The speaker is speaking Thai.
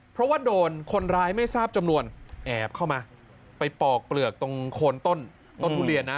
เพราะว่าโดนคนร้ายไม่ทราบจำนวนแอบเข้ามาไปปอกเปลือกตรงโคนต้นทุเรียนนะ